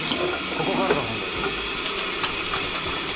ここからが本題です。